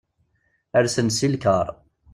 Rsen-d seg lkar.